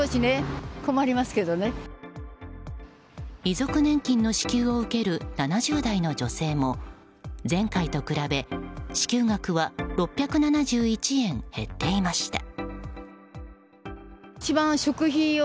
遺族年金の支給を受ける７０代の女性も前回と比べ、支給額は６７１円減っていました。